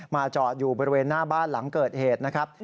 จอดอยู่บริเวณหน้าบ้านหลังเกิดเหตุนะครับ